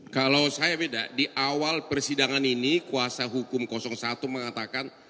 kalau saya beda di awal persidangan ini kuasa hukum satu mengatakan